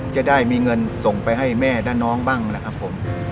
จะได้มีเงินส่งไปให้แม่ด้านน้องบ้างนะครับผม